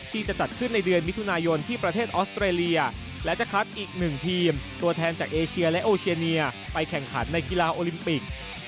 ที่จะจัดขึ้นในเดือนมิถุนายนที่ประเทศออสเตรเลียและจะคัดอีกหนึ่งทีมตัวแทนจากเอเชียและโอเชียเนียไปแข่งขันในกีฬาโอลิมปิก